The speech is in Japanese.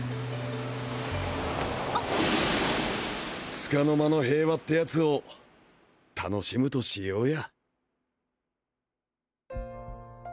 束の間の平和ってやつを楽しむとしようや。